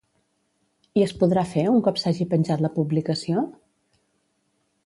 I es podrà fer un cop s'hagi penjat la publicació?